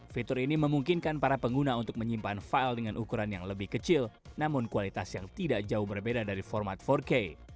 fitur ini memungkinkan para pengguna untuk menyimpan file dengan ukuran yang lebih kecil namun kualitas yang tidak jauh berbeda dari format empat k